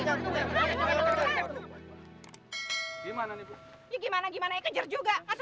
saya kejar dong itu kejar orangnya